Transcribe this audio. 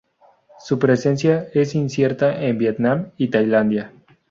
Su presencia es incierta en Vietnam y Tailandia.